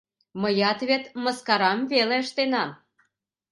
Мыят вет мыскарам веле ыштенам...